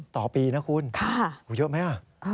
ต่อปีนะคุณโหเยอะไหมอ่ะ